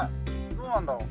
どうなんだろう？